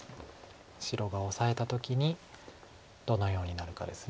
白がオサえた時にどのようになるかです。